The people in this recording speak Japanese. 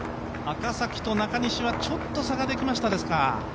赤崎と中西はちょっと差ができましたか。